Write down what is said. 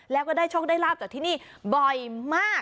แล้วก็ได้โชคได้ลาบจากที่นี่บ่อยมาก